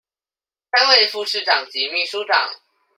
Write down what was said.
三位副市長及秘書長